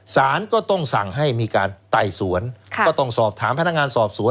สารก็ต้องสั่งให้มีการไต่สวนก็ต้องสอบถามพนักงานสอบสวน